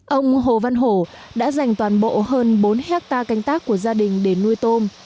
ông hồ văn hổ đã dành toàn bộ hơn bốn hectare canh tác của gia đình để nuôi tôm